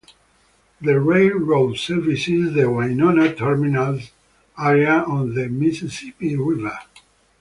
The railroad services the Winona Terminal area on the Mississippi River.